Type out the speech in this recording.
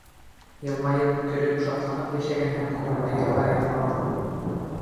Йылмайып, көлөп, шатланып йәшәгән һәм күңелле йырҙар йырлаған: